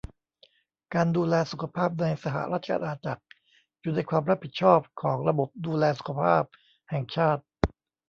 การดูแลสุขภาพในสหราชอาณาจักรอยู่ในความรับผิดชอบของระบบดูแลสุขภาพแห่งชาติ